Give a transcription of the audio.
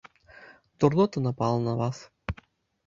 Дурнота напала на вас!